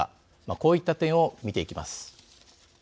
こういった点を見ていきます。